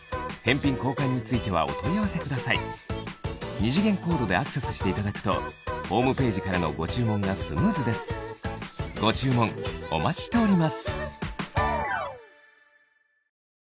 二次元コードでアクセスしていただくとホームページからのご注文がスムーズですご注文お待ちしております